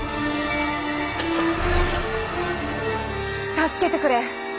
助けてくれ！